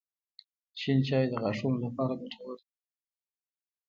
• شین چای د غاښونو لپاره ګټور دی.